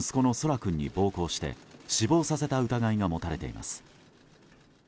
君に暴行して死亡させた疑いが持たれています。